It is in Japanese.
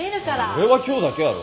俺は今日だけやろ。